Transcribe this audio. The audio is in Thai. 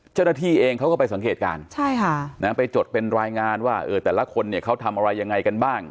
เจ้าหน้าที่เองเขาก็ไปสังเกตการณ์ไปจดเป็นรายงานว่าแต่ละคนเนี่ยเขาทำอะไรยังไงกันบ้าง